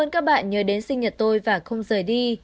cô chia sẻ